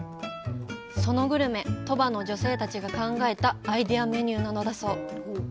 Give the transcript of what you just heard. そのグルメ、鳥羽の女性たちが考えたアイディアメニューなのだそう。